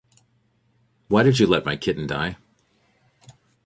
Why Did You Let My Kitten Die?